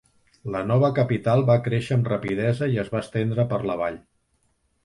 La nova capital va créixer amb rapidesa i es va estendre per la vall.